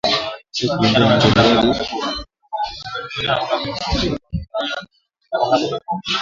Joseph Rurindo na Jenerali Eugene Nkubit, kutoka kambi ya kijeshi ya Kibungo nchini Rwanda